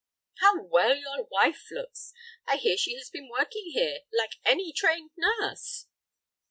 "How well your wife looks! I hear she has been working here, like any trained nurse."